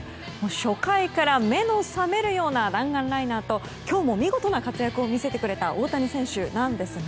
初回から目の覚めるような弾丸ライナーと今日も見事な活躍を見せてくれた大谷選手なんですが